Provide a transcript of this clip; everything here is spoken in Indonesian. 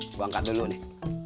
buangkan dulu nih